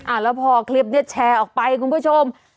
แล้วพอคลิปนี้แชร์ออกไปคุณผู้ชม